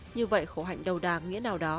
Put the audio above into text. như vậy khổ hạnh đầu đà nghĩa nào đó